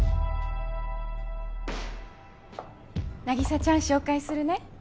凪沙ちゃん紹介するね。